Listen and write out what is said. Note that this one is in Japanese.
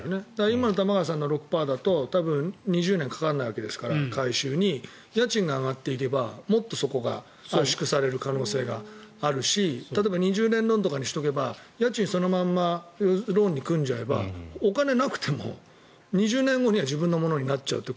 今の玉川さんの６％だと多分回収に２０年かからないわけですから家賃が上がっていけばもっとそこが短縮される可能性があるし２０年ローンとかにしておけば家賃をそのままローンで組んじゃえばお金なくても２０年後には自分のものになっちゃうと。